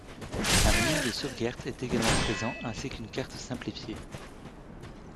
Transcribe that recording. Un menu de sauvegarde est également présent ainsi qu'une carte simplifiée.